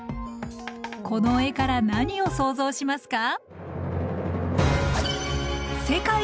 この絵から何を想像しますか？